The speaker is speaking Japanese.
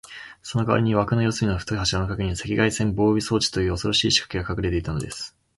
そのかわりに、わくの四すみの太い柱のかげに、赤外線防備装置という、おそろしいしかけがかくされていたのです。